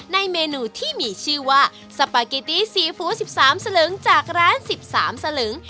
เมนูที่มีชื่อว่าสปาเกตตี้ซีฟู้ด๑๓สลึงจากร้าน๑๓สลึง